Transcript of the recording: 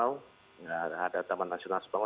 kalau tidak ada taman nasional sepang